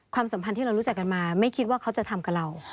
สัมพันธ์ที่เรารู้จักกันมาไม่คิดว่าเขาจะทำกับเรา